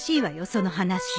その話。